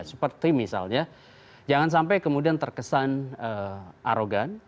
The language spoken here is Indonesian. seperti misalnya jangan sampai kemudian terkesan arogan